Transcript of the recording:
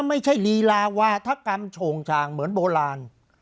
ไม่ใช่รีลาวาธกรรมโฉงชางเหมือนโบราณ